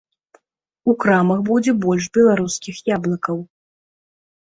У крамах будзе больш беларускіх яблыкаў.